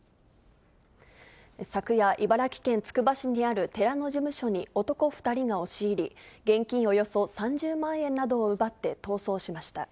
昨夜、茨城県つくば市にある寺の事務所に男２人が押し入り、現金およそ３０万円などを奪って逃走しました。